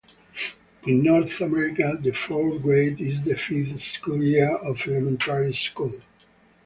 In North America, the fourth grade is the fifth school year of elementary school.